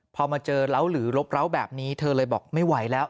พอมาเจอเล้าหรือลบเล้าแบบนี้เธอเลยบอกไม่ไหวแล้ว